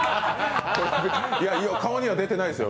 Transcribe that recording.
いや、顔には出てないですよ